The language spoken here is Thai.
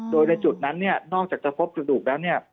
โดยในจุดนั้นเนี่ยนอกจากจะพบกระดูกแล้วเนี่ย